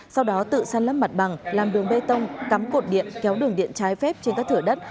sau đó tự săn lấp mặt bằng làm đường bê tông cắm cột điện kéo đường điện trái phép trên các thửa đất